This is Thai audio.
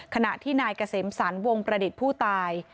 ขณะที่นายเกษมสรรวงประดิษฐ์ผู้ตาย